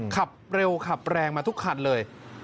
ขับเร็วขับแรงมาทุกคันเลย